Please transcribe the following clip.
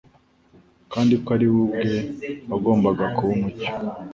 kandi ko ari We ubwe wagombaga kuba umucyo w'abantu